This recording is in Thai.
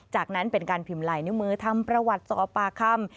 จากนั้นเป็นการพิมพ์ลายนิ้วมือทำประวัติสอบปากคำ